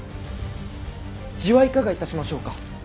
地はいかがいたしましょうか。